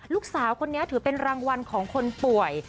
ลูกสาวคนนี้ถือเป็นรางวัลของคนป่วย